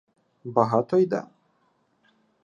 — Багато йде?